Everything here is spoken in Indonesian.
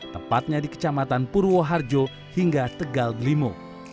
tepatnya di kecamatan purwoharjo hingga tegal blimo